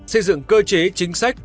xây dựng cơ chế chính sách